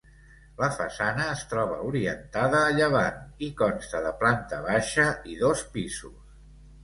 La façana es troba orientada a llevant i consta de planta baixa i dos pisos.